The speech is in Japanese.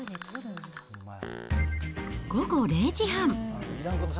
午後０時半。